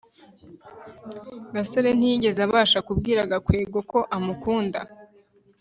gasore ntiyigeze abasha kubwira gakwego ko amukunda